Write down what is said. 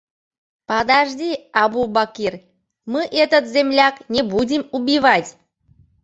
Падажди, Абубакир, мы этот земляк не будим убивать.